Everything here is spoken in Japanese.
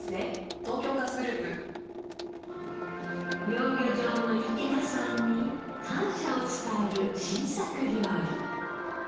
養魚場の池田さんに感謝を伝える新作料理。